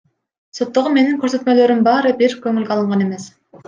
Соттогу менин көрсөтмөлөрүм баары бир көңүлгө алынган эмес.